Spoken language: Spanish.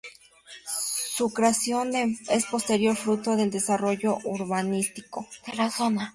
Su creación es posterior fruto del desarrollo urbanístico de la zona.